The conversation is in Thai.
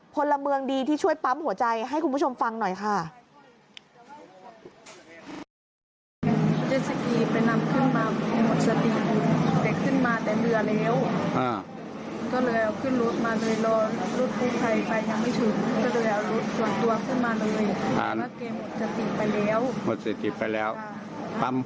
พลเมืองดีที่ช่วยปั๊มหัวใจให้คุณผู้ชมฟังหน่อยค่ะ